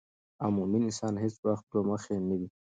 او مومن انسان هیڅ وخت دوه مخې نه وي